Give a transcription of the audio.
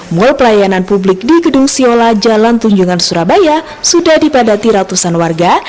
mall pelayanan publik di gedung siola jalan tunjungan surabaya sudah dipadati ratusan warga